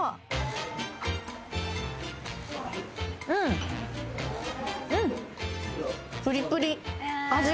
うんうん。